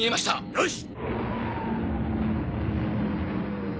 よし！